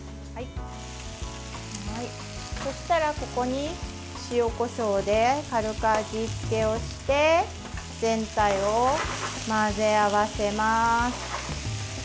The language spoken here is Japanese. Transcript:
そうしたら、ここに塩、こしょうで軽く味付けをして全体を混ぜ合わせます。